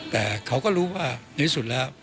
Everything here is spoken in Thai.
แต่เขาก็รู้ว่าในที่สุดแล้ว